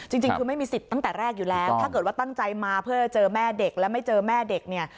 จริงคือไม่มีสิทธิ์ตั้งแต่แรกอยู่แล้วถ้าเกิดว่าตั้งใจมาเพื่อเจอแม่เด็กและไม่เจอแม่เด็กเนี่ย